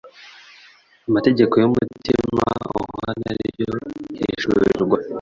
amategeko y'umutima uhana ni ryo hishurirwa